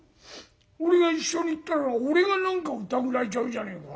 俺が一緒に行ったら俺が何かうたぐられちゃうじゃねえか。